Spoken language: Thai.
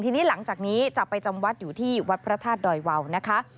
ทีนี้หลังจากนี้จะไปจำวัดอยู่ที่วัดพระธาตุดอยวาวนะคะ